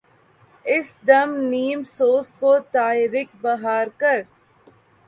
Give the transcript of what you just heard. اس دم نیم سوز کو طائرک بہار کر